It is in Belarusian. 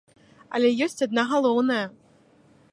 Але ёсць адна галоўная.